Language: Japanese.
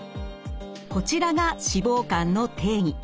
こちらが脂肪肝の定義。